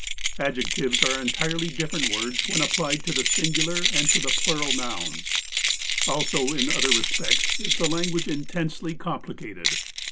Adjectives are entirely different words when applied to tlie singular and to the ])lural nouns. Also in other respects is the language intensely com plicated.